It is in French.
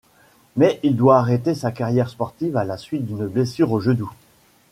Mais il doit arrêter sa carrière sportive à la suite d'une blessure au genou.